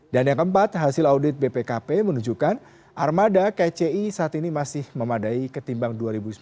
dan yang keempat hasil audit bpkp menunjukkan armada kci saat ini masih memadai ketimbang dua ribu sembilan belas